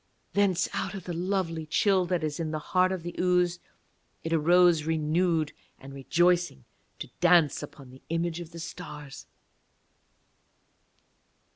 Thence, out of the lovely chill that is in the heart of the ooze, it arose renewed and rejoicing to dance upon the image of the stars.